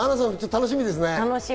楽しみですね。